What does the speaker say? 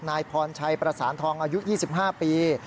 นายพรชัยประสานทองอายุ๒๕ปี